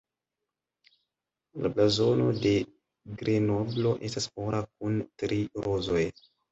La blazono de Grenoblo estas ora kun tri rozoj.